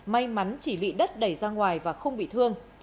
may mắn chỉ bị đất đẩy ra ngoài và không bị thương